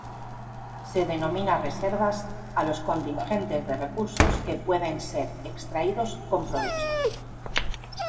Se denomina "reservas" a los contingentes de recursos que pueden ser extraídos con provecho.